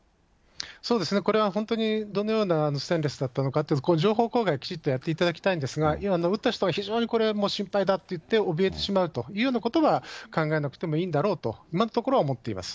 そうですね、これは本当にどのようなステンレスだったのかと、情報公開をきちっとやっていただきたいんですが、打った人が非常にこれ、心配だといっておびえてしまうというようなことは考えなくてもいいんだろうと、今のところは思っています。